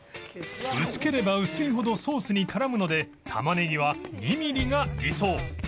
薄ければ薄いほどソースに絡むのでタマネギは２ミリが理想